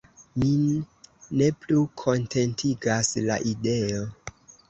Min ne plu kontentigas la ideo!